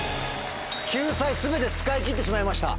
救済全て使い切ってしまいました。